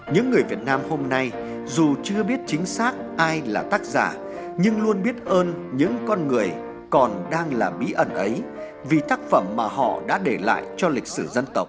những người việt nam hôm nay dù chưa biết chính xác ai là tác giả nhưng luôn biết ơn những con người còn đang là bí ẩn ấy vì tác phẩm mà họ đã để lại cho lịch sử dân tộc